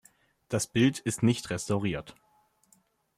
Das Bild ist nicht restauriert.